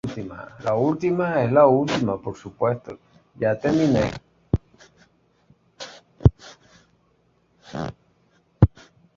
Fue catedrático y evangelizador.